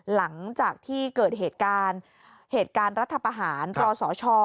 หลังจากที่เกิดเหตุการณ์รัฐประหารกรสช